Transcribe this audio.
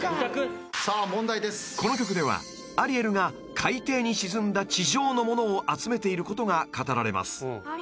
［この曲ではアリエルが海底に沈んだ地上のものを集めていることが語られます］